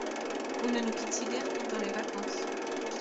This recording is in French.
Vous ne vous quittiez guère pendant les vacances.